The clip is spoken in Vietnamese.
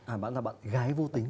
à bạn là bạn gái vô tính